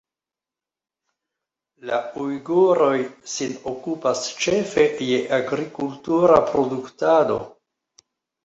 La ujguroj sin okupas ĉefe je agrikultura produktado.